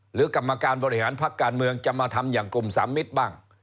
กรรมการบริหารพักการเมืองจะมาทำอย่างกลุ่มสามมิตรบ้าง